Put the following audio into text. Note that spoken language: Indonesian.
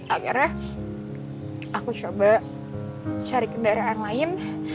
akhirnya aku coba cari kendaraan lain